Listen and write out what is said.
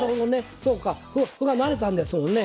そうか歩が成れたんですもんね。